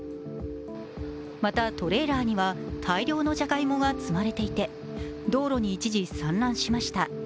またトレーラーには大量のじゃがいもが積まれていて道路に一時、散乱しました。